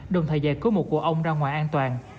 đồn thời gian cứu một của ông ra ngoài an toàn